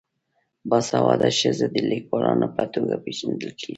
باسواده ښځې د لیکوالانو په توګه پیژندل کیږي.